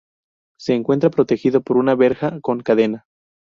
Se encuentra protegido por una verja con cadena.